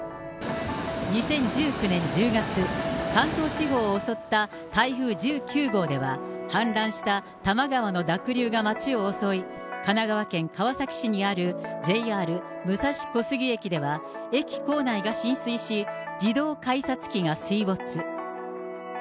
２０１９年１０月、関東地方を襲った台風１９号では、氾濫した多摩川の濁流が街を襲い、神奈川県川崎市にあるＪＲ武蔵小杉駅では、駅構内が浸水し、自動改札機が水没。